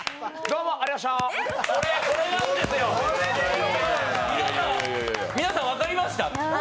川島さん、分かりました？